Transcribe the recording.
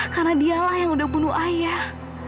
karena dialah yang sudah bunuh ayah